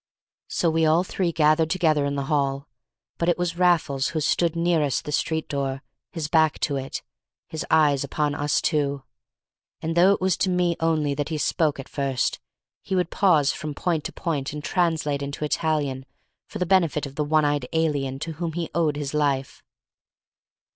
So we all three gathered together in the hall. But it was Raffles who stood nearest the street door, his back to it, his eyes upon us two. And though it was to me only that he spoke at first, he would pause from point to point, and translate into Italian for the benefit of the one eyed alien to whom he owed his life.